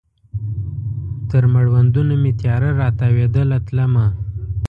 تر مړوندونو مې تیاره را تاویدله تلمه